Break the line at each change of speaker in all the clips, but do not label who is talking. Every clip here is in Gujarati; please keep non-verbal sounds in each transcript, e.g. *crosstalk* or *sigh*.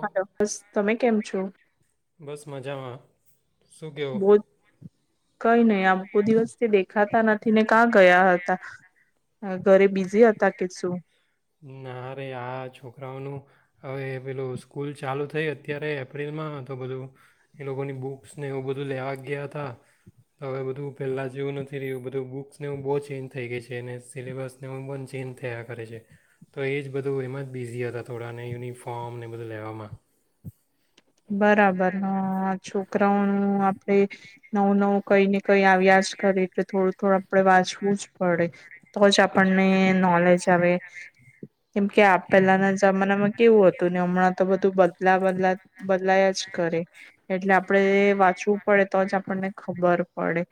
હલો બસ તમે કેમ છો?
સૂક્યો
બો કઈ નહી આમકુ દિવસથી દે ખાતા નથી ને કાં ગયા હતા. અ ઘરે બીઝી હતા કે શું?
ના, રે આ છોકરાઓનું હવે પેલું સ્કૂલ ચાલુ થઈ. અત્યારે એપ્રિલમાં તો બધું એ લોકોની બુક્સને એવું બધું લેવા ગયા હતા. તો હવે બધું પહેલા જેવું નથી રહ્યું, બધું બુક્સને એવું બહુ ચેન્જ થઇ ગઈ છે અનેને સિલેબસને એવું પણ ચેન્જ થયા કરે છે. તો એ જ બધું એમાં જ બિઝી હતા, થોડાને યુનિફોર્મ ને એ બધું લેવામાં.
બરાબર. હા.. છો. ત્રણ આપણે નવું નવું કઈ ને કઈ આવ્યા જ કરીએ એટલે થોડું થોડું આપડ વાંચવું જ પડે તો જ આપણને નોલેજ આવે કેમકે પેલાના જમાનામાં કેવું હતું ને હમણાં તો બધું બદલા બદલા બદલાયા જ કરે. એટલે આપણેે વાંચવું પડે તો જ આપણને ખબર પડે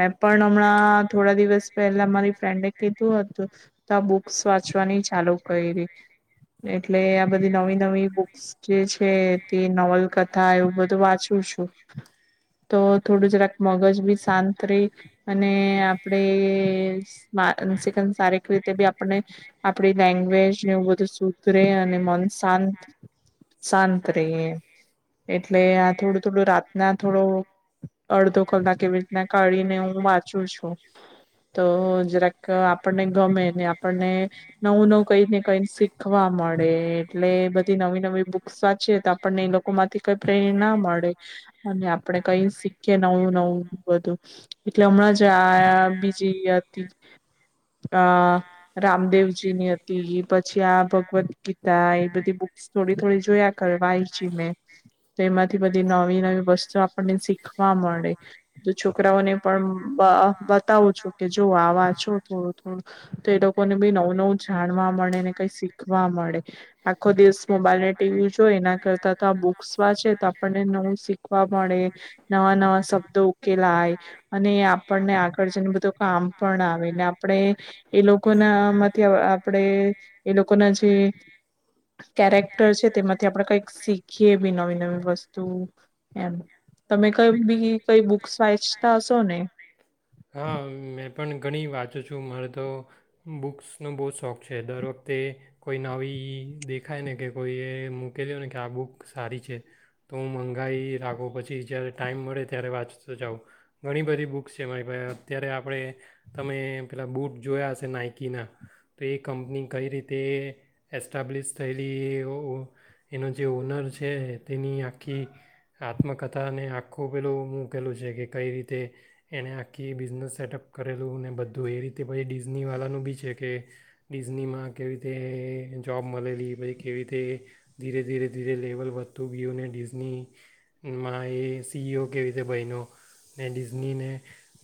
મેં પણ હમણાં થોડા દિવસ પહેલા મારી ફ્રેન્ડે કીધું હતું. તો આ બુક્સ વાંચવાની ચાલુ કરી એટલે આ બધી નવી નવી બુક્સ જે છે. તે નવલકથા એવું બધું વાચ તો થોડું જરાક મગજ બી શાંત રેય અને આપણે માનસિક સારીક રીતે બી આપણે આપડી લેંગ્વેજને એવું બધું સુધરે અને મન શાંત શાંત રેય એટલે આ થોડુંતો થોડું રાતના થોડો અડધો કલાક એવી રીતના કાઢીને હું વાંચું છું. તો જરાક આપણને ગમે ને આપણને નવું નવું કઈને કઈ શીખવા મળે એટલે બધી નવી નવી બુક્સ તો આપણને એ લોકો માંથી કઈ પ્રેર ના મળે અને આપણે કઈ શીખીએ નવું નવું બધું. એટલે હમણાં જ, આ બીજી હતી અ રામદેવજીની હતી. પછી આ ભગવદ્ ગીતા. એ બધી બુક્સ થોડી થોડી જોયા *unintelligible* તો એમાંથી બધી નવી નવી નવી વસ્તુ આપણને શીખવા મળે. તો છોકરાઓને પણ બઅ બતાવું છુ, કે જો આ વા છો થોડું થોડું તો એ લોકોને બી નવું નવું જાણવા મળે. ને કઈ શીખવા મળે. આખો દિવસ મોબાઈલ ટીવી જો એના કરતા તો આ બુક્સ વાંચે, તો આપણને નવું શીખ મળે નવા નવા શબ્દો ઉકેલાય. અને આપણને આગળ જને બધું કામ પણ આવે. આપણે એ લોકોનામાંથી આપણેે એ લોકોના જે કેરેક્ટર છે તેમાં થી આપણે કઈક શીખીએ બી નવી નવી વસ્તુ. એમ. તમે કઈ બી કઈ બુક્સ વાંચતા હશો ને?
હા મેં પણ ઘણી વાંચું છું. મારે તો બુક્સનો બહુ જ શોખ છે. દર વખતે કોઈ નવી દેખાય ને કે કોઈએ મૂકેલી ને કે આ બુક સારી છે, તો હું મંગાવાઈ લાગો પછી જ્યારે ટાઈમ મળે ત્યારે વાંચતો જાઓ. ઘણી બધી બૂક્સ છે મારી ભાઈ. અત્યારે આપણે તમે પેલા બૂટ જોયા હશે નાઇકીના. તો એ કંપની કઈ રીતે એસ્ટાબ્લિશ થયેલી એ ઓ એનો જે ઓનર છે તેની આખી આત્મકથાને આખું પેલું મૂકેલું છે કે, કઈ રીતે એણે આખી બિઝનેસ સેટઅપ કરેલું ને બધું. એ રીતે પછી ડિઝનીવાળાનું બી છે કે, ડિઝનીમાં કેવી રીતે એ જોબ મળેલી પછી કેવી રીતે ધીરે ધીરે ધીરે લેવલ વધતું ગયું અને ડિઝની માઇશ સિઈઓ કેવી રીતે બયનો ને ડિઝનીને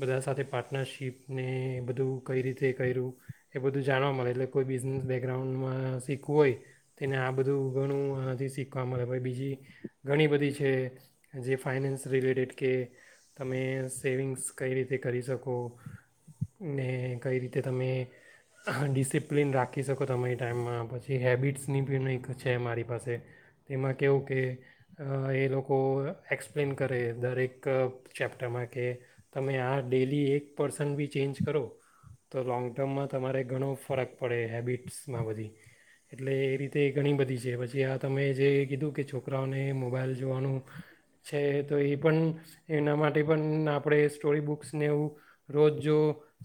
બધા સાથે પાર્ટનરશીપને બધું કઈ રીતે કર્યું, એ બધું જાણવા મળે. એટલે કોઈ બિઝનેસ બેકગ્રાઉન્ડમાં શીખવું હોય. તેને આ બધું ઘણું આથી શીખવા મળે. પણ બીજી ઘણી બધી છે. જે ફાઈનાન્સ રિલેટેડ કે તમે સેવિંગ્સ કઈ રીતે કરી શકો. ને કઈ રીતે તમે ડિસિપ્લિન રાખી શકો તમામે એ ટાઈમમાં. પછી હેબિટ્સની પણ એક છે મારી પાસે. તેમાં કવું કે એ લોકો લોકો એક્સપ્લેન કરે દરેક ચેપ્ટરમાં કે તમે આ ડેલી એક પર્સન બી ચેન્જ કરો તો લોંગ ટર્મમાં તમારે ઘણો ફરક પડે હેબિટ્સમાં બધી એટલે એ રીતે ઘણી બધી છે પછી આ તમે જે કીધું કે છોકરાઓને મોબાઈલ જોવાનું છે. તો એ પણ એના માટે પણ આપણે સ્ટોરી બુક્સ ને એવુ રોજો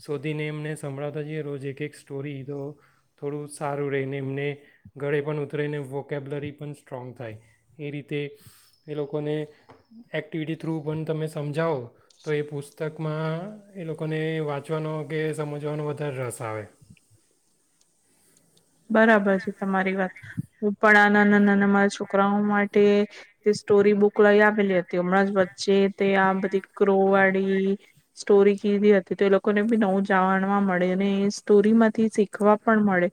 શોધીને એમને સંભળાવતા જઈએ રોજ એક એક સ્ટોરી તો થોડું સારું રહીને એમને ગળે પણ ઉતરાને વોકેબલરી પણ સ્ટ્રોંગ થાય. એ રીતે એ લોકોને એક્ટિવિટી થ્રુ પણ તમે સમજાવો તો એ પુસ્તકમાં એ લોકોને વાંચવાનો કે સમજવાનો વધારે રસ આવે.
બરાબર છે તમારી વાત હું પણ આ નાના નાના મારા છોકરાઓ માટે તે સ્ટોરી બુક લઈ આપેલી હતી હમણાં જ વચ્ચે તે આ બધી ક્રો વાળી સ્ટોરી કીધી હતી તો એ લોકોને બી નવું જાણવા મળે અને સ્ટોરીમાંથી શીખવા પણ મળે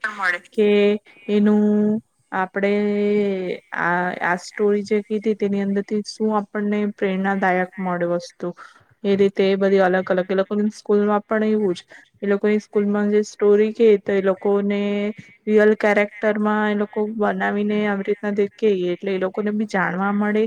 એ એનું આપણેે આ આ સ્ટોરી જે કીધી તેની અંદરથી શું આપણને પ્રેરણાદાયક મળે વસ્તુ એ રીતે બધી અલગ અલગ, એ લોકોની સ્કૂલ માં પણ એવું જ. એ લોકોની સ્કૂલ માં જે સ્ટોરી કે તો એ લોકોને રિયલ કેરેક્ટર માં એ લોકો બનાવીને આવી રીતના દે ક એટલે એ લોકોને બી જાણવા મળે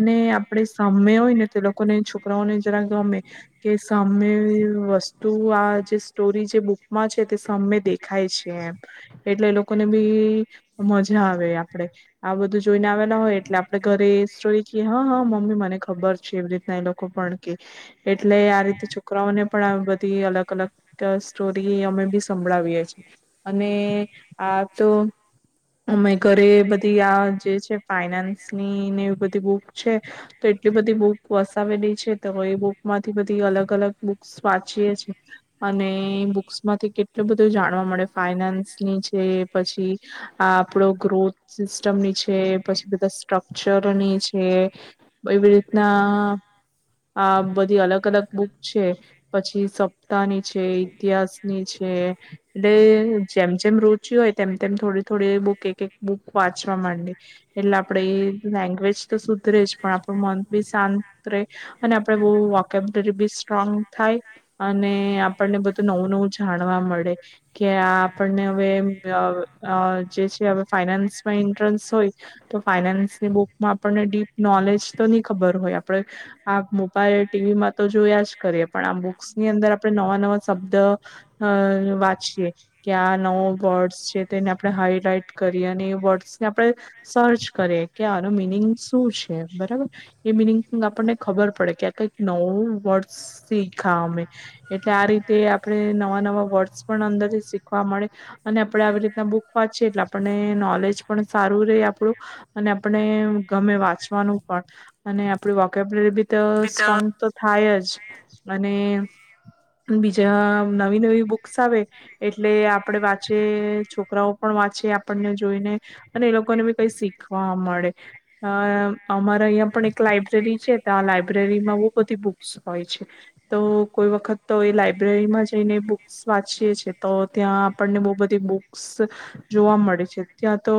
અને આપણે સામે હોય ને તો એ લોકોને છોકરાઓને જરાક ગમે કે સાંમેં વસ્તુ આ જે સ્ટોરી જે બુકમાં છે તે સામમે દેખાય છે એમ. એટલે એ લોકોને બી મજા આવે આપડે આ બધું જોઈને આવેલા હોય એટલે આપણેે ઘરે એ સ્ટોરી કે હા હા મમ્મી મને ખબર છે એવી રીતના એ લોકો પણ કે. એટલે આ રીતે છોકરાઓને પણ આમ બધી અલગ અલગ સ્ટોરી અમે બી સંભળાવીએ છીએ અને આ તો અમે ઘરે બધી આ જે છે ફાઈનાન્સનીને એવી બધી બુક છે તો એટલી બધી બુક વસાવેલી છે તો એ બુકમાં. બધી અલગ અલગ બુક્સ વાંચીએ છીએ અને બુક્સ માંથી કેટલું બધું જાણવા મળે ફાઈનાનસ ની છે પછી આ આપડો ગ્રોથ સિસ્ટમની છે પછી બધા સ્ટ્રક્ચરની છે એવી રીતના આ બધી અલગ અલગ બુક છે પછી સપ્તાહ ની છે ઇતિહાસ ની છે એટલે. જેમ જેમ રુચિ હોય તેમ તેમ થોડી થોડી બુક એક એક બુક વાંચવા માંડી એટલે આપણેે એ લેંગ્વેજ તો સુધરે જ પણ આપણું મન બી શાંત રે અને આપણે વો વોકેબરી બી સ્ટ્રોંગ થાય અને આપણને બધું નવું નવું જાણવા મળે કે આપણને હવે અહ અહ જે છે હવે ફાઈનાન્સમાં ઇન્ટરસ હોય તો ફાઈનાન્સની બુકમાં આપણને ડીપ નોલેજ તો નહી ખબર હોય આપડે આ બુક ટીવીમાં તો જોયા જ કરીએ પણ આ બુક્સની અંદર આપણે નવા નવા શબ્દ અ વાંચીએ ક્યાં નવો વર્ડ્સ છે તેને આપણે હાઈલાઈટ કરીએ અને એ વર્ડ્સને આપણે સર્ચ કરીએ કે આનો મિનિંગ શું છે બરાબર એ મિનિંગ આપણને ખબર પડે કે કંઈક નવું વર્ડ શીખા અમે, એટલે આ રીતે આપડે નવા-નવા વોર્ડ્સ પણ અંદરથી મળ અને આપડે આવી રીતના બુક વાંચી એટલે આપને નોલેજ પણ સારું ર આપણું. અને આપણે ગમે વાંચવાનું પણ અને આપડી વોકેબલરી બી સ્ટ્રોંગ તો થાયજ. અને બીજા. નવી નવી બુક્સ આવે. એટલે આપડે વાચીએ, છોકરાઓ પણ વાંચે આપણને જોઈને અને એલોકોને બી કઈ શીખવા મળે. અહ અમારા અહીંયા પણ એક લઇબ્રેરી છે ત્યાં લઇબ્રેરીમાં બો બધી બુક્સ હોય છે, તો કોઈ વખત તો એ લાયબ્રેરીમાં જઈને સ્વાચીએ છે. તો ત્યાં આપણને બો બધી બુક્સ જોવા મળે છે. ત્યાં તો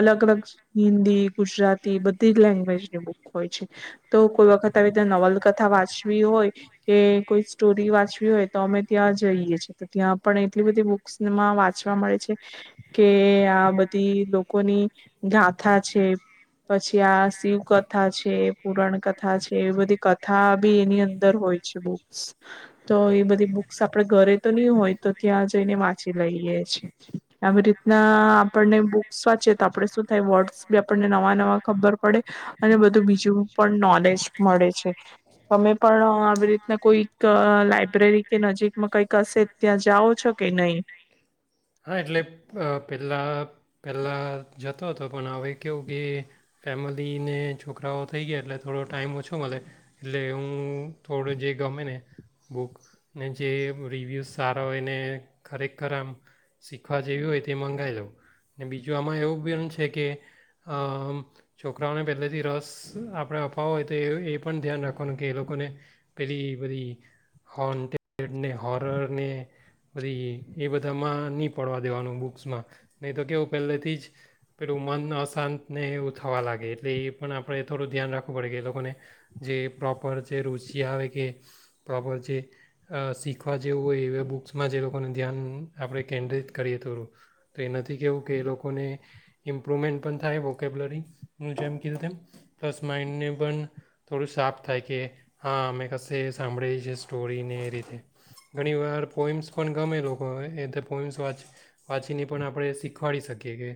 અલગ-અલગ હિન્દી, ગુજરાતી, બધીજ લેંગ્વેજની બુક હોય છે, તો કોઈ વખત આવી ત્યાં નોવલ કથા વાંચવી હોય, કે કોઈ સ્ટોરી વાંચવી હોય, તો અમે ત્યાંજ જઈએ છે તો ત્યાં. પણ એટલી બધી બુક્સમાં વાંચવા મળે છે, કે આ બધી લોકોની ગાથા છે, પછી આ શિવ કથા છે, પુરણ કથા છે, એ બધી કથા બી એની અંદર હોય છે બુક્સ, તો એ બધી બુક્સ આપડે ઘરેતો ની હોય. તો ત્યાં જઈને વાંચી લઈએ છે. આવી રીતના આપણને બુક્સ વાંચીએ, તો આપણે શું થાય વર્ડ્સ બી આપણને નવા-નવા ખબર પડે અને બધું બીજું પણ નોલેજ મળે છે. તમે પણ આવી રીતના કોઈક લાઈબ્રેરી કે નજીક એમાં કંઈક હશેજ.
હા, એટલે પેહલા પહેલાં જતો હતો, પણ હવે કેવું કે ફેમિલીને છોકરાઓ થઈ ગયા, એટલે થોડો ટાઈમ ઓછો મળે, એટલે હું થોડો જે ગમે ને બુક ને જે રિવ્યૂઝ સારા હોયને ખરેખર આમ શીખવા જેવી હોય તે મંગાવી લઉં ને બીજું આમાં એવું બી એમ છે કે અ મ છોકરાઓને પહેલેથી રસ આપણે અપાવવો હોય તો એ પણ ધ્યાન રાખવાનું કે એ લોકોને પેલી પેલી હોર્ન કે ડેડ ને હોરર ને બધી એ બધામાં નહીં પડવા દેવાનું બુક્સમાં નહીં તો કેવું પહેલેથી જ પેલું મન અશાંતને એવું થવા લાગે એટલે એ પણ આપણે થોડું ધ્યાન રાખવું પડે કે એ લોકોને જે પ્રોપર જે રુચિ આવે કે પ્રોપર જે અ શીખવા જેવું હોય એવા બુક્સમાં જે લોકોને ધ્યાન આપણે કેન્દ્રિત કરીએ થોડું એ નથી કહેવું કે એ લોકોને ઇમ્પ્રુવમેન્ટ પણ થાય વોકેબલરીનું જેમ કીધું તેમ પ્લસ માઇન્ડને પણ થોડું શાર્પ થાય કે હા અમે કશે સાંભળે છે સ્ટોરીને એ રીતે ઘણીવાર પોઈમ્સ પણ ગમે લોકો એ તો પોયમ્સ વાંચ વાંચીને પણ આપણે શીખવાડી શકીએ કે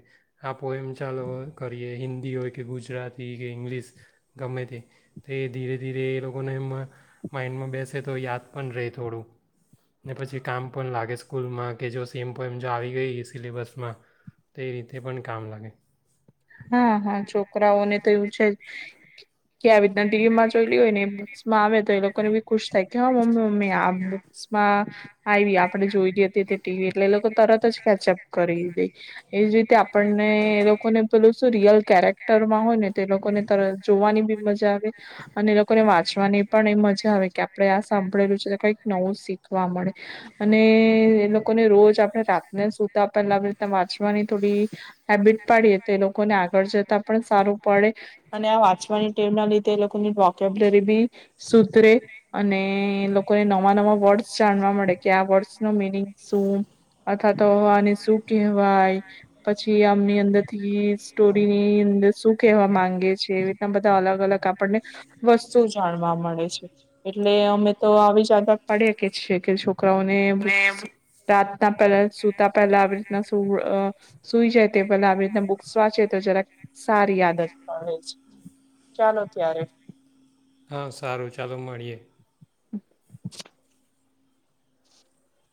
આ પોયમ ચાલો કરીએ હિન્દી હોય કે ગુજરાતી કે ઇંગ્લિશ ગમે તે એ ધીરે ધીરે એ લોકોને એમમાં માઇન્ડમાં બેસે તો યાદ પણ રહે થોડું ને પછી કામ પણ લાગે સ્કૂલમાં કે જો સેમ પણ એમ જો આવી ગઈ સિલેબસમાં તે રીતે પણ કામ લાગે.
હા હા છોકરાઓને તો એવું છે. કે આવી રીતને *unintelligible* જોઈેલી હોય ને એમજ. માં આવે તો એ લોકોને બી ખુશ થાય કે હા મમ્મી મમ્મી આ બુક્સમાં આઈવી આપણે જોઈતી હતી તે ટીવી એટલે એ લોકો તરત જ કેચઅપ કરી દે એજ રીતે આપણને એ લોકોને પેલું શું રિયલ કેરેક્ટરમાં હોય ને તો એ લોકોને તર જોવાની બી મજા આવે અને એ લોકોને વાંચવાની પણ એ મજા આવે કે આપડે આ સાંભળેલું છે કંઈક નવું શીખ વાચવા મળે અને એ લોકોને રોજ આપણે રાતને સૂતા પેલા આવી રીતે વાંચવાની થોડી હેબિટ પાડીએ તે લોકોને આગળ જતા પણ સારું પડે અને આ વાંચવાની ટેવ ના લીધે એ લોકોની વોકેબ્લેરી બી સુધરે અને એ લોકોને નવા નવા વર્ડસ જાણવા મળે કે આ વર્ડસ નું મિનિંગ શું? અથવા તો આને શું કહેવાય? પછી આમની અંદર એ સ્ટોરીની અંદર શું કેવા માંગે છે? એવી રીતના બધા અલગ અલગ આપણને વસ્તુ જાણવા મળે છે. એટલે અમે તો આવી જ આદત પાડી છીએ કે જે છોકરા અને અમુક *unintelligible* તમ પેલા સૂતાં પેલા આવી રીતના સુર અ સુઈ જાય તે પેલા આવી રી સ્વાચે *unintelligible* તો જરાક સારી આદત પડે છે ચાલો ત્યારે
હા સારું ચાલો મળીએ